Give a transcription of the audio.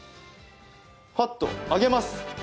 パッとあげます。